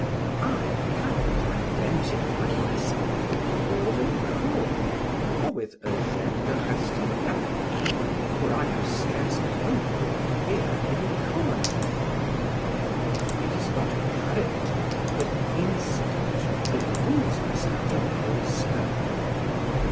I cannot identify myself with Rawdon Crawley or with Eugène de Rastignac, for I have scarce a hope or fear in common with them. It is not character but incident that woos us out of our reserve.